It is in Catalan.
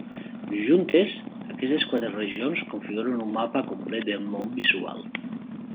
Juntes, aquestes quatre regions configuren un mapa complet del món visual.